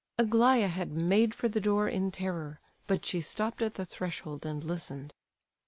Aglaya had made for the door in terror, but she stopped at the threshold, and listened.